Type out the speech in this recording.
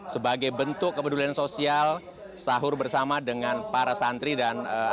sebagai bentuk kepedulian sosial sahur bersama dengan para santri dan anak